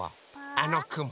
あのくも。